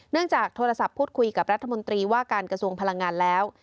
จากโทรศัพท์พูดคุยกับรัฐมนตรีว่าการกระทรวงพลังงานแล้ว